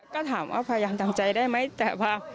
ก็ถามว่าพยายามทำใจได้ไหมแต่ว่า